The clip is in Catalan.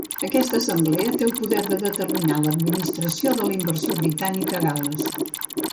Aquesta Assemblea té el poder de determinar l'administració de la inversió britànica a Gal·les.